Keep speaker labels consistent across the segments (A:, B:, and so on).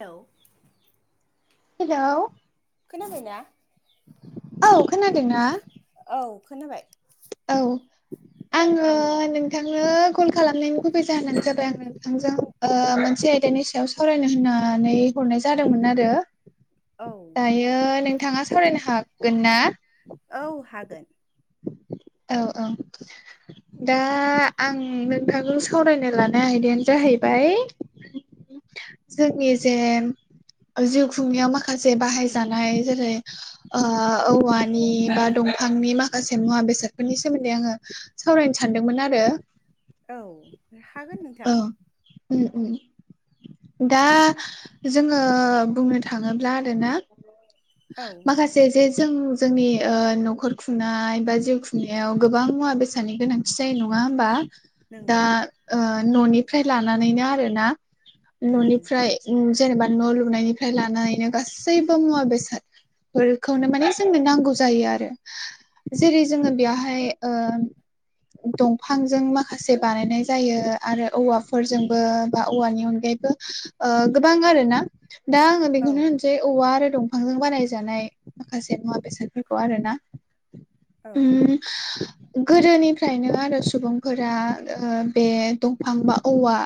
A: Hello
B: hello
A: खोनाबाय ना
B: औ खोनादोंना
A: औ खोनाबाय
B: औ आङो
A: औ
B: नों नोंथांनो कल खालामनायनि गुबुबै जाहानो जाबाय आं नोंथांजों ओ मोनसे आयदानि सायाव साव सावरायनो होननानै हरनाय जादोंमोन आरो
A: औ
B: दायो नोंथाङा सावरायनो हागोन ना
A: औ हागोन
B: औ औ दा आं नोंथांखौ सावरायनो लानाय आयदायानो जाहैबाय जोंनि जे जिउ खुंनायाव माखासे बाहायजानाय जेरै ओ औवानि बा दंफांनि माखासे मुवा बेसादफोरनि सोमोन्दै आङो सावरायनो सानदोंमोन आरो
A: औ हागोन
B: औ
A: नोंथां
B: उम उम दा जोङो बुंनो थाङोब्ला आरोना
A: औ
B: माखासे जे जे जों जोंनि ओ न'खर खुंनाय बा जिउ खुंनायाव गोबां मुवा बेसादनि गोनां थि जायो नङा होमबा दा
A: नंगौ
B: ओ न'निफ्राय लानानैनो आरोना
A: नों
B: न'निफ्राय जेनेबा न' लुनायनिफ्राय लानानैनो गासैबो मुवा बेसाद फोरखौनो माने जोंनो नांगौ जायो आरो जेरै जोङो बेयावहाय ओ दंफांजों माखासे बानायनाय जायो आरो औवाफोरजोंबो बा औवानि अनगायैबो ओ गोबां आरोना दा आ
A: औ
B: बेखौनो होन सै औवा आरो दंफांजों बानायजानाय माखासे मुवा बेसादफोरखौ आरो ना
A: औ
B: उम गोदोनिफ्रायनो आरो सुबुंफोरा ओ बे दंफां बा औवा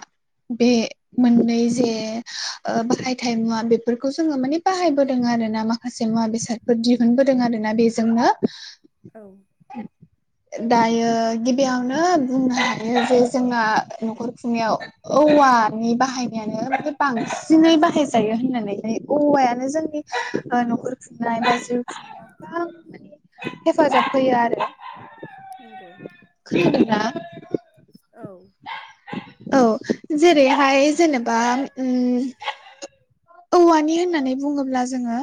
B: बे मोननै जे ओ बाहायथाय मुवा बेफोरखौ जोङो माने बाहायबोदों आरो ना मा खासे मुवा बेसादफोर दिहुनबोदों आरो ना बेजोंनो
A: औ
B: दायो गिबियावनो बुंनो हायो जे जोंना न'खर खुंनायाव औवानि बाहायनायानो माने बांसिन बांसिनै बाहायजायो होननानैहाय औवायानो जोंनि न'खर खुंनाय बा जिउ खुंनाय गोबां हेफाजाब होयो आरो
A: नंगौ
B: खोनादों ना
A: औ
B: औ जेरैहाय जेनेबा उम औवानि होननानै बुङोब्ला जोङो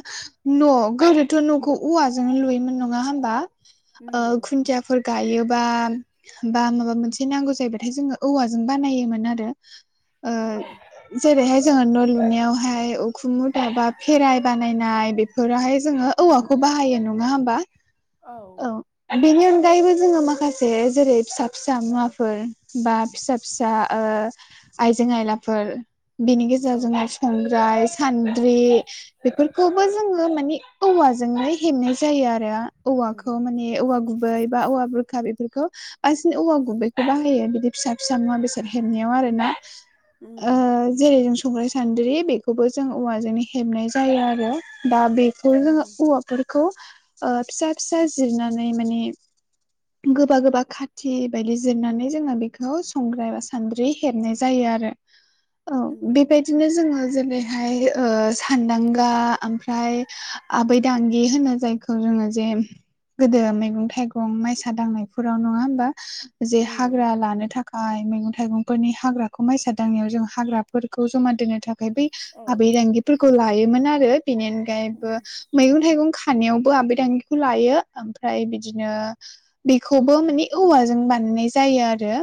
B: न' गोदोथ' न'खौ औवाजों लुयोमोन नङा होनबा?
A: नंगौ
B: खुन्थियाफोर गायोबा बा माबा मोनसे नांगौ जायोब्ला हाथाय जोङो औवाजों बानायोमोन आरो
A: औ
B: ओ जेरैहाय जोङो न' लुनायावहाय उखुमु दाबा खेराय बानायनाय बेफोर बेफोराहाय जोङो औवाखौ बाहायो नङा होमबा?
A: औ
B: बेनि अनगायैबो जोङो माखासे जेरै फिसा फिसा मुवाफोर बा फिसा फिसा आइजें आयलाफोर बिनि गेजेराव
A: औ
B: जों हां खंग्राय सान्द्रि बेफोरखौबो जोङो मानिे औवाजोंनो हेबनाय जायो आरो
A: नंगौ
B: औवाखौ माने औवा गुबै बा औवा बुरखा बेफोरखौ बांसिनि औवा गुबैखौ बाहायो। बि फिसा फिसा मुवा बेसाद हेबनायाव आरोना जै
A: नंगौ
B: ओ जेरै संख्राइ सान्द्रि बेखौबो जों औवाजोंनो हेबनाय जायो आरो दा बेखौ जोङो
A: नंगौ
B: औवा बे फोरखौ फिसा फिसा जिरनानै माने गोबा गोबा खाथि बायदि जिरनानै जोङो बेखौ संग्राय सान्दि‌ हेबनाय जायो माने ओ बेबायदिनो बिदिनो जोङो जेरैहाय सानदांगा ओमफ्राय आबै दांगि होनो जायखौ जोङो जे गोदो मैगं थाइगं माइसा दांनायफोराव नङा होमबा जे
A: नंगौ
B: हाग्रा लानो थाखाय मैगं थाइगंफोरनि हाग्राखौ माइसा दांनायाव जों हाग्राफोरखौ जमा दोननो थाखाय ओमाय बै
A: नंगौ
B: आबै
A: औ
B: रिफोरखौ लायोमोन आरो बेनि अनगायैबो मैगं थाइगं खानायावबो आबै थिखौ लायो ओमफ्राय बिदिनो बेखौबो मानिे औवाजों बानायनाय जायो आरो।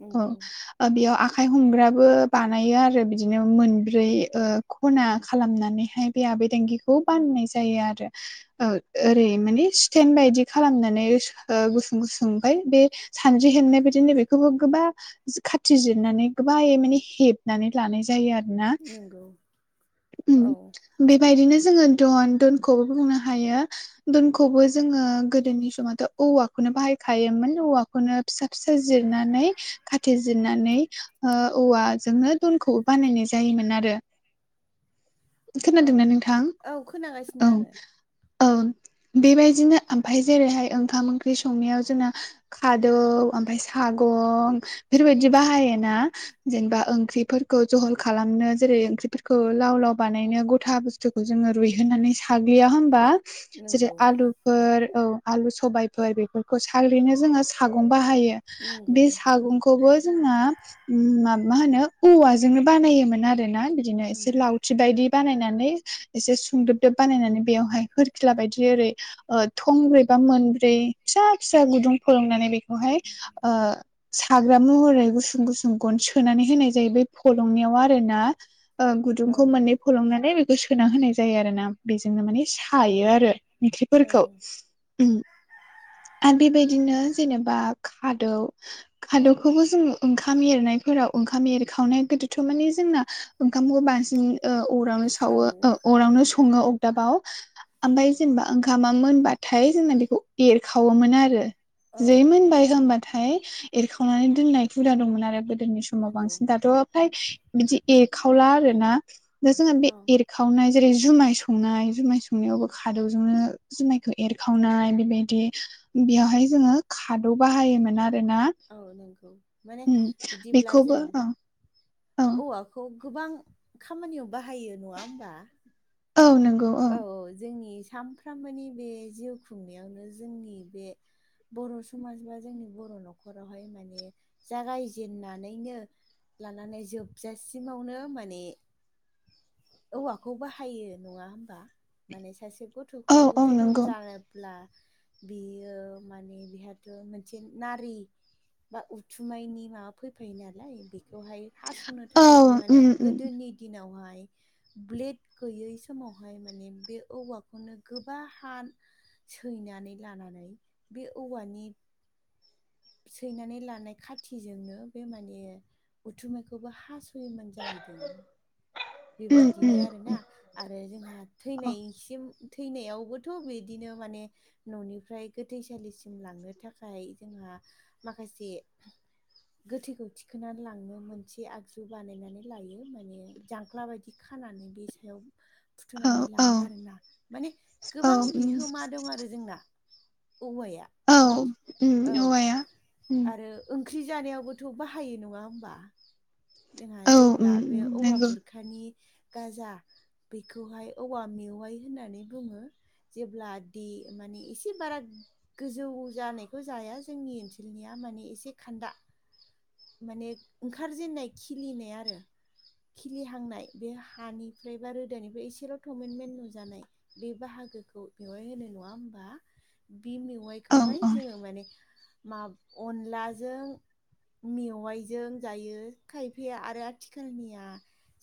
A: नंगौ
B: औ बेयाव आखाइ हमग्राबो बानायो आरो बिदिनो मोनब्रै खना खालामनानैहाय बे आबैदिखौ बाननाय जायो आरो। ओरै माने स्टेन बायदि खालामनानै गुसुं गुसुं ओमफ्राय बे सानज्रि हेनाय बिदिनो बे गोब गोबा खाथिजिरनानै गोबाङ माने हेबनानै लानाय जायो आरो। ना
A: नंगौ औ
B: बेबायदिनो जोङो दन दनखौबो बुंनो हायो। दोनखौबो जोङो गोदोनि समथ' औवाखौनो बाहायखायोमोन औवाखौनो फिसा फिसा जिरनानै खाथ जिरनानै औवाजोंनो दनखौबो बानायनाय जायोमोन आरो।
A: औ
B: खोनादोंना नोंथां
A: औ खोनागासिनो
B: औ
A: आङो
B: औ बेबायदिनो ओमफफ्राय जेरैहाय ओंखाम ओंख्रि संनायाव जोंना खादौ ओमफफ्राय सागं बेफोरबायदि बाहाय ना जेनेबा ओंख्रिफोरखौ जहल खालामनो जेरै ओंख्रिफोरखौ लाव लाव बानायनो गथा बुस्थुखौ जोङो रुइहोनानै साग्लिया होमबा जेरै
A: नंगौ
B: आलु फोर औ आलु सबायफोर बेफोरखौ सारैनो जोङो सागं बाहायो।
A: नंगौ
B: बे हागुंखौ खौबो जोंना मा होनो औवाजोंनो बानायोमोन आरो ना बिदिनो एसे
A: नंगौ
B: लाव फुर्रि बायदि बानायनानै एसे सुंदोबदोब बानायनानै बेवहाय हखिला बायदि ओरै थंब्रै बा मोनब्रै फिसा फिसा गुदुं फोरोंनानै बेखौहाय ओ साग्रा महरै गुसुं गुसुं गन सोनानै होनाय जायो बै फलंनियाव आरो ना।
A: औ
B: गुदुंखौ मोननै फलंनानै बेखौ सोना होनाय जायो आरो ना बेजोंनो माने।
A: औ
B: सायो आरो ओंख्रिफोरखौ
A: औ
B: आरो बेबायदिनो जेनेबा खादौ खादौखौबो जों ओंखाम एरनायफोराव ओंखाम एरखावनाय गोदोथ' माने जोंना ओंखामखौ बांसि अरावनो सावो
A: औ
B: अरदावावनो सो अगदाबाव ओमफ्राय जेनेबा ओं मोनबाथाय जोंना बेखौ एरखावोमोन आरो
A: औ
B: जै मोनबाय होनबा नाथाय एरखावनानै दोननाय हुदा दंमोन आरो गोदोनि समाव
A: नंगौ
B: बांसिन दाथ' फ्राय बिदि एरखावला आरोना दा जोङो
A: औ
B: बे खावनाय जेरै जुमाय संनाय जुमाय संनायावबो खादौजोंनो जुमायखौ एरखावनाय बेबायदि बेयावहाय जोङो खादौ बाहायोमोन आरोना
A: औ नंगौ माने
B: उम
A: बिदिब्ला
B: बेखौबो
A: जों
B: औ औ
A: औवाखौ गोबां खामानियाव बाहायो नङा होमबा?
B: औ नंगौ।
A: औ जोंनि सानफ्रामबोनि बे जिउ खुंनायावनो जोंनि बे बर' समाज बा जोंनि बर' न'खरावहाय माने जागायजेननानैनो लानानै जोबजासिमावनो माने औवाखौ बाहायो नङा होमबा माने सासे
B: औ
A: गथ'खौ
B: औ
A: जोनोम
B: नंगौ
A: जानोब्ला बेयो माने बेहाथ' मोनसे नारि बा उथुमाइनि माबा फैफायो नालाय बेखौहाय हास'नो
B: औ
A: थाखायबो माने
B: उम उम
A: गोदोनि दिनावहाय ब्लेड गैयै समाव आहाय माने बे औवाखौनो गोबा हा सैनानै लानानै बे औवानि सैनानै लानाय खाथिजोंनो बे माने उथुमायखौबो हास' मोन जाहैदों
B: उम
A: बेबायदिनो
B: उम
A: आरोना आरो जोंहा
B: औ
A: थैनायसिम थैनायावबोथ' बिदिनो माने न'निफ्राय गोथैसालिसिम लांनो थाखाय जोंहा माखासे गोथैखौ थिखोनानै लांनो मोनसे आगजु बानायनानै लायो माने जां हख्ला बायदि खानानै बे सायाव
B: औ
A: फुथुनानै
B: औ
A: लाङो आरोना माने
B: औ
A: गोबां
B: उम
A: बिहोमा दं आरो जोंना औवाया
B: औ उम
A: औ
B: औवाया उम
A: आरो ओंख्रि जानायावबोथ' बाहायो नङा होमबा? जोंहा
B: औ उम
A: जेब्ला बे औवा
B: नंगौ
A: बुरखानि गाजा बेखौहाय औवा मेवाइ होननानै बुङो। जेब्ला दि माने एसे बारा गोजौ जानायखौ जाया जोंनि ओनसोलनिया माने एसे खान्दा माने ओंखारजेननाय खिलिनाय आरो खिलिहांनाय बे हानिफ्राय बा रोदानिफ्राय एसेल' थमेन्मेन्ट नुजानाय बे बाहागोखौ मेवाय होनो नङा होमबा बे
B: औ
A: मेवाइखौहाय
B: औ
A: जोङो माने मा अनलाजों मेवाइजों जायो खायफाया आरो आथिखालनिया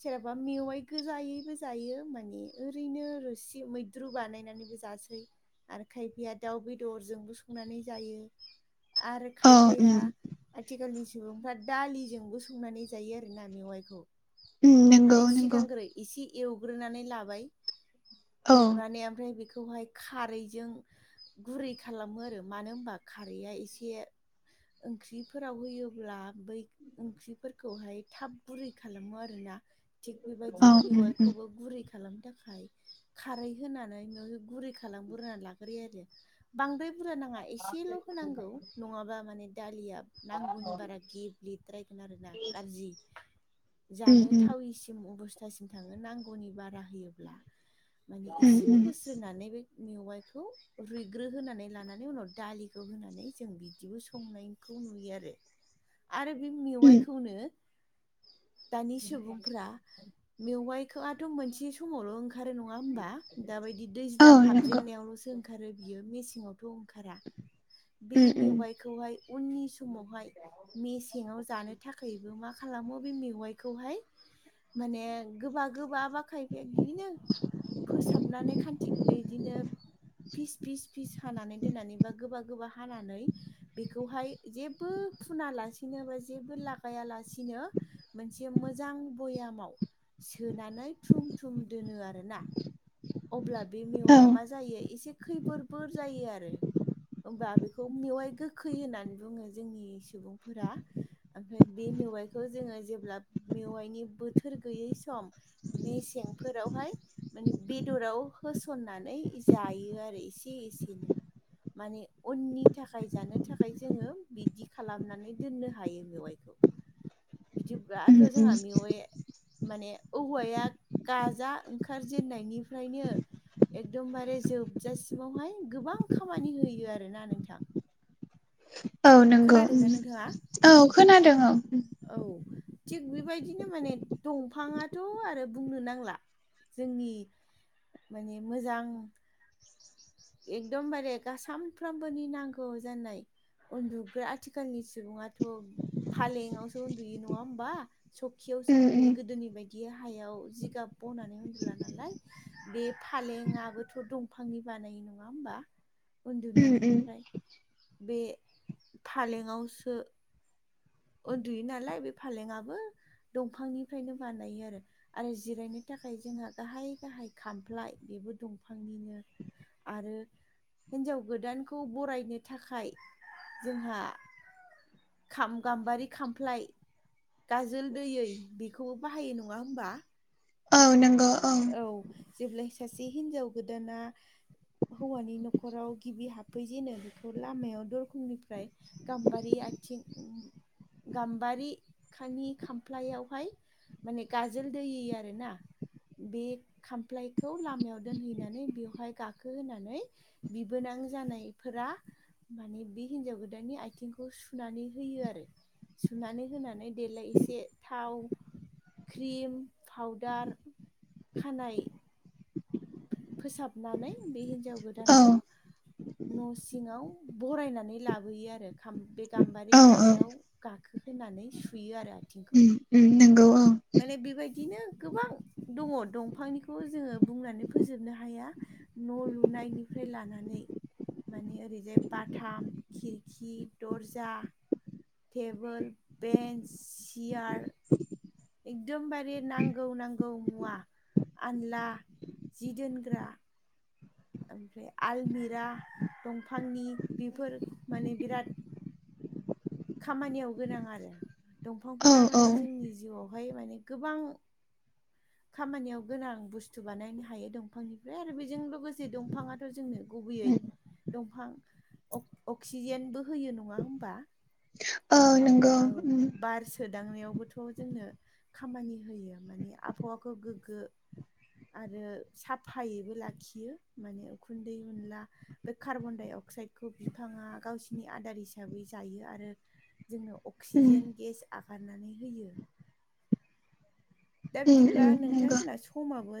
A: सोरहाबा मेवाइ गोजायैबो जायो माने ओरैनो रोसि मैद द्रु बानायनानैबो जासै आरो खायफाया दाउ बेदरजोंबो संनानै जायो आरो
B: औ
A: खायफाया
B: उम
A: आथिखालनि सुबुंफ्रा दालिजोंबो संनानै जायो आरोना मेवाइखौ
B: उम नंगौ
A: माने
B: नंगौ
A: सिगांग्रो एसे एवग्रोनानै लाबाय
B: औ
A: एवनानै ओमफ्राय बेखौहाय खारैजों गुरै खालामो आरो मानो होनबा खारैया एसे ओंख्रि फोराव होयोब्ला बै ओंख्रिफोरखौहाय थाब गुरै खालामो आरोना थिग
B: औ
A: बेबायदिनो
B: उम उम
A: मेवायखौबो गुरै खालामनो थाखाय खारै होनानै मेवायखौ गुरै खालामग्रोनानै लाग्रोयो आरो बांद्राय बुरजा नाङा एसेल' होनांगौ नङाबा माने दालिया नांगौनि बारा गेबलेद्रायगोन आरो ना गाज्रि
B: उम
A: जानो
B: उम
A: थावैसिम अबस्थ थासिम थाङो नांगौनि बारा होयोब्ला माने
B: उम
A: एसे
B: उम
A: होस्रोनानै बे मेवाइखौ रुइग्रो होनानै लानानै उनाव दालिखौ होनानै जों बिदिबो संनायखौ खौ नुयो आरो आरो बे
B: उम
A: मेवाइखौनो दानि सुबुंफ्रा मेवाइखौआथ' मोनसे समावल' ओंखारो नङा नङा होमबा दाबायदि
B: औ
A: दैज्लां
B: नंगौ
A: हाबजेननायावल'सो ओंखारो बियो मेसेंआवथ' ओंखारा बे
B: उम उम
A: मेवाइखौहाय उननि समावहाय मेसेङाव जानो थाखायबो मा खालामो बे मेवाइखौहाय माने गोबा गोबा बा खायफाया इदिनो फोसाबनानै खान्थि इदिनो फिस फिस फिस हानानै दोननानै बा गोबा गोबा हानानै बेवहाय जेबो फुनालासिनो बा जेबो लागायालासिनो मोनसे मोजां भयामाव सोनानै थुम थुम दोनो आरोना अब्ला बे
B: औ
A: मेवाआ मा जायो एसे खैफोरफोर जायो आरो ओमबा बेखौ मेवाय गोखै होननानै बुङो जोंनि सुबुंफोरा ओमफ्राय बे मेवाइखौ जोङो जेब्ला मेवाइनि बोथोर गैयै सम मेसेंफोरावहाय माने बेदराव होसननानै जायो आरो एसे एसेनो। माने उननि थाखाय जानो थाखाय जोङो बिदि खालामनानै दोननो हायो मेवाइखौ बिदिब्लाथ'
B: उम उम
A: जोंहा मेवाइया माने औवाया गाजा ओंखारजेननायनिफ्रायनो एकदमबारे जोबजासिमावहाय गोबां खामानि होयो आरोना नोंथां
B: औ नंगौ
A: खोनादोंना नोंथाङा
B: औ खोनादों औ
A: औ थिग बेबायदिनो माने दंफाङाथ' आरो बुंनो नांला जोंनि माने मोजां एकदमबारे सामफ्रामबोनि नांगौ जानाय उन्दुग्रा आथिखालनि सुबुङाथ' फालेङावसो उन्दुयो नङा ओमबा सकियावसो उन्दुयो
B: उम
A: गोदोनि बायदि हायाव जिगाब बनानै उन्दुला नालाय बे फालेङाबोथ' दंफांनि बानाय नङा नङा ओमबा
B: उम उम
A: उन्दुनायनिफ्राय बे फालेङावसो उन्दुयो नालाय बे फालेङाबो दंफांनिफ्रायनो बानायो आरो आरो जिरायनो थाखाय जोंहा गाहाय गाहाय खामफ्लाय बेबो दंफांनिनो आरो हिन्जाव गोदानखौ बरायनो थाखाय जोंहा खाम गाम्बारि खामफ्लाय गाजोल दैयै बेखौबो बाहायो नङा होमबा
B: औ नोंग' अ
A: औ जेब्लाय सासे हिनजाव गोदाना हौवानि नखराव गिबि हाबफै जेनो बेखौ लामायाव दरखंनिफ्राय गाम्बारि आइथिं गाम्बारिखानि खामफ्लायावहाय माने गाजोल दैयि आरो ना बे खामफ्लायखौ लामायाव दोनहैनानै बेवहाय गाखोहोनानै बिबोनां जानायफोरा माने बे हिन्जाव गोदाननि आइथिंखौ सुनानै होयो आरो। सुनानै होनानै देलाय एसे थाव क्रिम फावदार खानाइ फोसाबनानै बे हिन्जाव
B: औ
A: गोदानखौ न' सिङाव बरायनानै लाबोयो आरो बे गाम्बारि
B: औ औ
A: खामफ्लायाव गा खोनानै होनानै सुयो आरो आथिंखौ
B: नोंगौ औ
A: माने बेबायदिनो गोबां दङ दंफांनिखौ जोङो बुंनानै फोजोबनो हाया न' लुनायनिफ्राय लानानै माने ओरैजाय बाथाम खिरखि दर्जा टेबोल बेन्स चेयार एकदमबारे नांगौ नांगौ मुवा आनला जि दोनग्रा ओमफ्राय आलमिरा दंफांनि बेफोर माने बिराद खामानियाव गोनां आरो
B: औ
A: दंफांफोरा
B: औ
A: माने जोंनि जिउआवहाय माने गोबां खामानियाव गोनां बुस्थु बानायनो हायो दंफांनिफ्राय आरो बेजों लोगोसे दंफाङाथ' जोंनो गुबैयै
B: उम
A: दंफां अक्सिजेनबो होयो नङा होमबा
B: औ
A: दंफां
B: नंगौ
A: औ
B: उम
A: बार सोदांनायावबोथ' जोंनो खामानि होयो माने आबहावाखौ गोग्गो आरो साफायैबो लाखियो माने उखुन्दै उनला बे कार्बन डाइ अक्साइडखौ बिफाङा गावसिनि आदार हिसाबै जायो आरो जोंनो
B: उम
A: अक्सिजेन गेस हगारनानै होयो दा
B: उम
A: बिदिब्ला
B: उम
A: नोंथां
B: नंगौ
A: जोंना समाबो जा